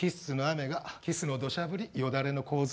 キスのどしゃ降りよだれの洪水。